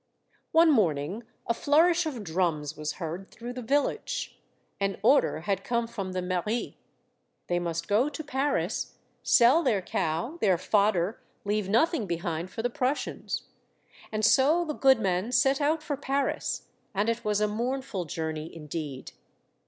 One morning a flourish of drums was heard through the village. An order had come from the mairie. They must go to Paris, sell their cow, their fodder, leave nothing behind for the Prus sians. And so the goodman set out for Paris, and it was a mournful journey indeed.